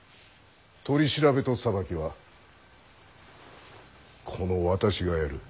取り調べと裁きはこの私がやる。